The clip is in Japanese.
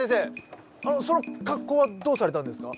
その格好はどうされたんですか？